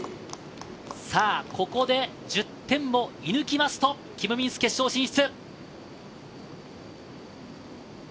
ここで１０点を射抜きますとキム・ミンス、決勝進出。